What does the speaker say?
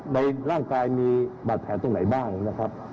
ในร่างกายมีบาดแผลตรงไหนบ้างนะครับ